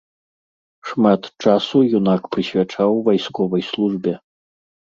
Шмат часу юнак прысвячаў вайсковай службе.